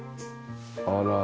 あら。